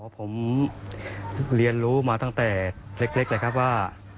ผมเรียนรู้มาตั้งแต่เล็กเลยครับว่า